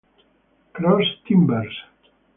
Cross Timbers